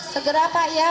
segera pak ya